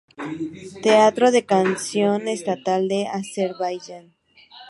Teatro de Canción Estatal de Azerbaiyán